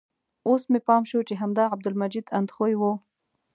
اوس مې پام شو چې همدا عبدالمجید اندخویي و.